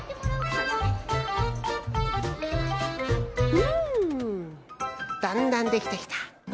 うん！だんだんできてきた！